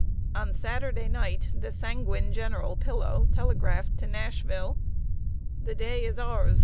On Saturday night, the sanguine General Pillow telegraphed to Nashville: "The day is ours.